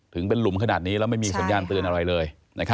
ถึงเป็นหลุมขนาดนี้แล้วไม่มีสัญญาณเตือนอะไรเลย